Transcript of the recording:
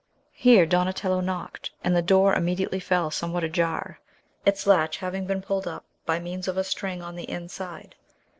Here Donatello knocked, and the door immediately fell somewhat ajar; its latch having been pulled up by means of a string on the inside.